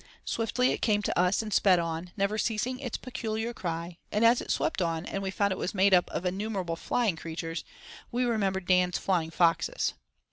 Swiftly it came to us and sped on, never ceasing its peculiar cry; and as it swept on, and we found it was made up of innumerable flying creatures, we remembered Dan's "flying foxes."